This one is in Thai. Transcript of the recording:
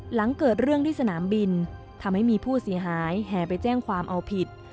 หลังเกิดเรื่องที่สนามบินทำให้มีผู้เสียหายแห่ไปแจ้งความเอาผิด